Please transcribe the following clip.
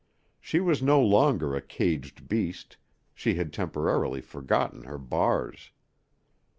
She was no longer a caged beast, she had temporarily forgotten her bars.